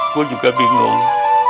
gue juga bingung